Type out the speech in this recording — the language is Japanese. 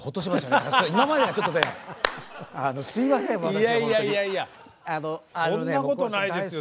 いやいやいやそんなことないですよ